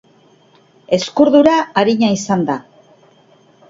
Uzkurdura arina izan da.